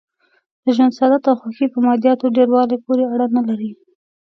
د ژوند سعادت او خوښي په مادیاتو ډېر والي پورې اړه نه لري.